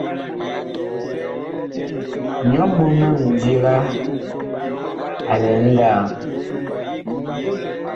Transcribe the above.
Nyɔ mɔɔn a mindiga a lɛ nlaam.